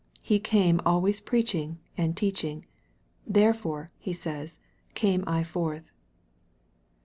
He came always preaching and teaching. " Therefore," He says, " came I forth."